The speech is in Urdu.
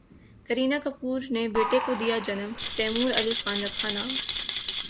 کرینہ کپور نے بیٹے کو دیا جنم، تیمور علی خان رکھا نام